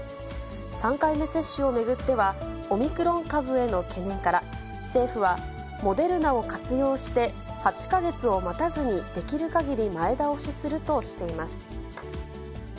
３回目接種を巡っては、オミクロン株への懸念から、政府は、モデルナを活用して、８か月を待たずに、できるかぎり前倒しするとしています。